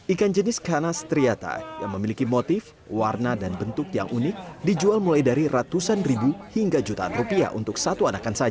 ikan jenis kanas triata yang memiliki motif warna dan bentuk yang unik dijual mulai dari ratusan ribu hingga jutaan rupiah untuk satu anakan